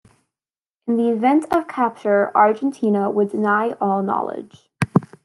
In the event of capture, Argentina would deny all knowledge.